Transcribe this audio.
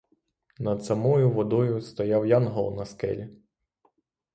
Над самою водою стояв янгол на скелі.